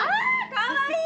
かわいい！